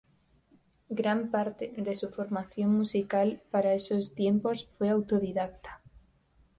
Gran parte de su formación musical para esos tiempos fue autodidacta.